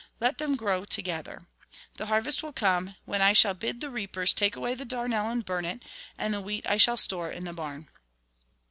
Let them grow together. The harvest will come, when I shall bid the reapers take away the darnel and burn it ; and the wheat I shall store in the barn."